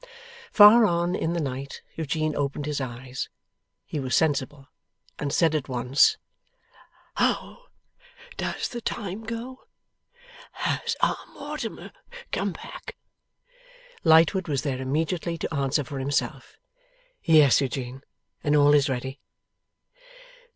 Far on in the night, Eugene opened his eyes. He was sensible, and said at once: 'How does the time go? Has our Mortimer come back?' Lightwood was there immediately, to answer for himself. 'Yes, Eugene, and all is ready.